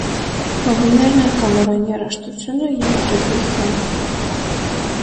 Հոբիներն են կամերային երաժշտությունը և կեգլի խաղը։